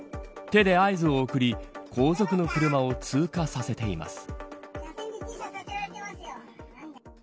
手で合図を送り後続の車を通過させています。